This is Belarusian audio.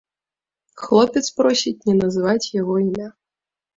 Хлопец просіць не называць яго імя.